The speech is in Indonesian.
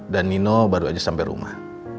dan nino baru aja sampai rumah